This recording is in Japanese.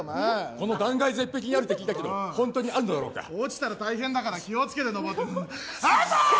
この断崖絶壁にあると聞いたんだけど、本当にあるのだろうか落ちたら大変だから気をつけてあったー！